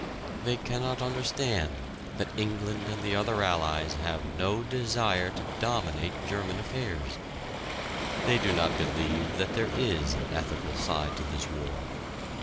They cannot understand that England and the other Allies have no desire to dominate German affairs. They do not believe that there is an ethical side to this war.